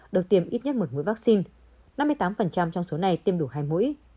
được tiêm ít nhất một mũi vaccine năm mươi tám trong số này tiêm đủ hai mũi